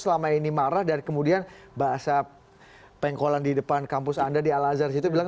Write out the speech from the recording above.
selama ini marah dan kemudian bahasa pengkolan di depan kampus anda di al azhar itu bilang